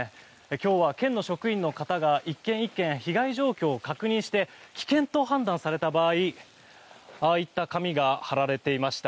今日は県の職員の方が１軒１軒被害状況を確認して危険と判断された場合ああいった紙が貼られていました。